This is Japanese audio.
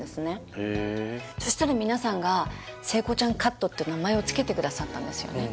へえそしたら皆さんが聖子ちゃんカットって名前をつけてくださったんですよね